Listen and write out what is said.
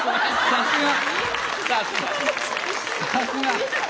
さすが！